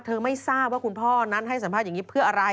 ไม่ทราบว่าคุณพ่อนั้นให้สัมภาษณ์อย่างนี้เพื่ออะไร